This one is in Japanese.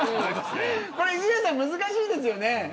これ、泉谷さん難しいですよね。